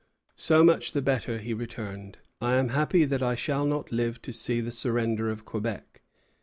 "So much the better," he returned. "I am happy that I shall not live to see the surrender of Quebec."